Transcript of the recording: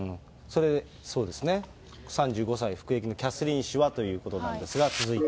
３５歳、服役のキャスリーン氏はということですが、続いて。